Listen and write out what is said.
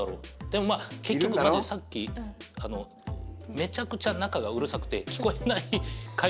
でもまあ結局さっきめちゃくちゃ中がうるさくて聞こえない会話。